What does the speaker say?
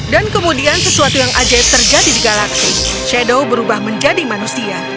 dan kemudian sesuatu yang ajaib terjadi di galaksi shadow berubah menjadi manusia